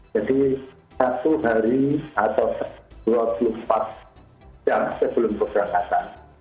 jadi satu hari atau dua puluh empat jam sebelum berangkatan